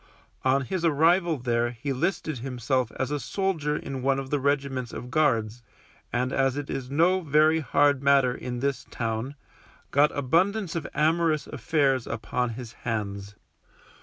On his arrival there he listed himself as a soldier in one of the regiments of Guards, and as it is no very hard matter in this town, got abundance of amorous affairs upon his hands.